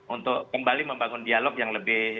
untuk kembali membangun dialog yang lebih